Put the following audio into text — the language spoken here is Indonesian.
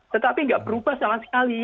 tetapi tidak berubah sama sekali